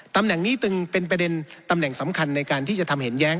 ตำแหน่งนี้จึงเป็นประเด็นตำแหน่งสำคัญในการที่จะทำเห็นแย้ง